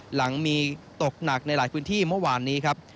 หลังมีตกหนักในหลายพื้นที่เมื่อวานนี้ครับ